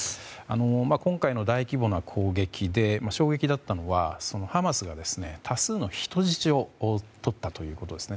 今回の大規模な攻撃で衝撃だったのがハマスが多数の人質をとったということですね。